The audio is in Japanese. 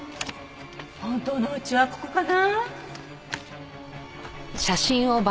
本当のお家はここかな？